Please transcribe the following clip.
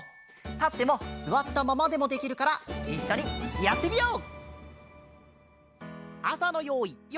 たってもすわったままでもできるからいっしょにやってみよう！